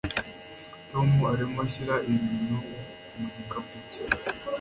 tom arimo ashyira ibintu mu gikapu cye